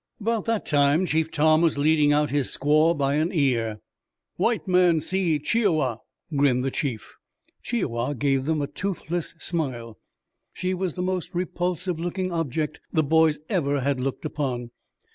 About that time Chief Tom was leading out his squaw by an ear. "White man see Chi i wa," grinned the chief. Chi i wa gave them a toothless smile. She was the most repulsive looking object the boys ever had looked upon.